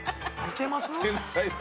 いけます？